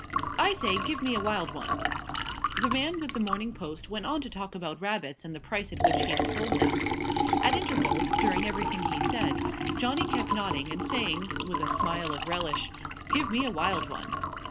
"I say, give me a wild one." The man with The Morning Post went on to talk about rabbits and the price at which he had sold them. At intervals, during everything he said, Johnny kept nodding and saying, with a smile of relish: "Give me a wild one!"